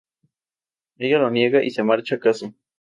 Ella lo niega y se marcha a casa.